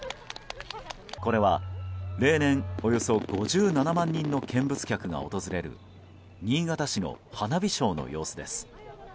これは、例年およそ５７万人の見物客が訪れる新潟市の花火ショーの様子です。